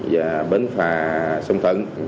và bến phà sông thận